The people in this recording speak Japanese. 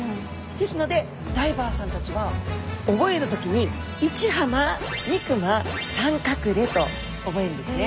ですのでダイバーさんたちは覚える時に１ハマ２クマ３カクレと覚えるんですね。